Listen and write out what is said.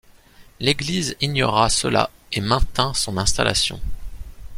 L’église ignora cela et maintint son installation.